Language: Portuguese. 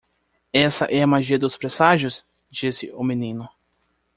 "Essa é a magia dos presságios?" disse o menino.